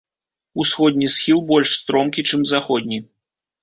Усходні схіл больш стромкі, чым заходні.